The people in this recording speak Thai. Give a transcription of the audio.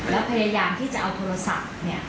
แล้วพยายามที่จะเอาโทรศัพท์เนี่ย